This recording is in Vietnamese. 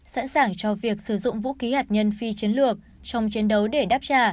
sẵn sàng cho việc sử dụng vũ khí hạt nhân phi chiến lược trong chiến đấu để đáp trả